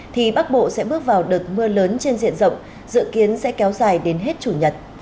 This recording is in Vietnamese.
thì bắc bộ sẽ bước vào đợt mưa lớn trên diện rộng dự kiến sẽ kéo dài đến hết chủ nhật